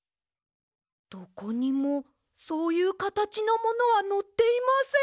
どこにもそういうかたちのものはのっていません。